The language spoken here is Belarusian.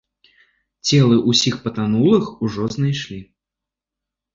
Целы ўсіх патанулых ужо знайшлі.